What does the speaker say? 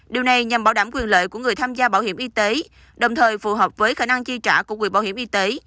điều này nhằm bảo đảm quyền lợi của người tham gia bảo hiểm y tế đồng thời phù hợp với khả năng chi trả của quỹ bảo hiểm y tế